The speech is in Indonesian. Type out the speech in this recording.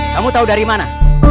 kamu tahu dari mana